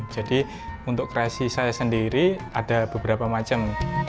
jadi untuk kreasi saya sendiri ada beberapa macam